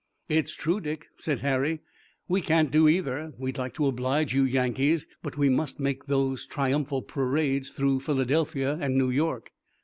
"It's true, Dick," said Harry, "we can't do either. We'd like to oblige you Yankees, but we must make those triumphal parades through Philadelphia and New York."